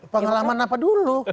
pengalaman apa dulu